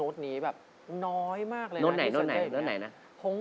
กลับมาฟังเพลง